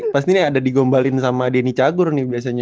pasti ini ada digombalin sama denny cagur nih biasanya